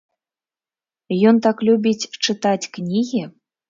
Ён так любіць чытаць кнігі?